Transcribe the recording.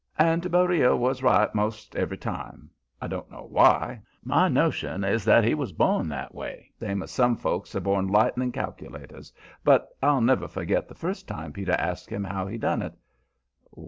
And Beriah was right 'most every time. I don't know why my notion is that he was born that way, same as some folks are born lightning calculators but I'll never forget the first time Peter asked him how he done it.